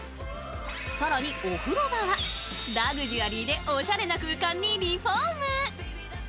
更にお風呂場はラグジュアリーでおしゃれな空間にリフォーム。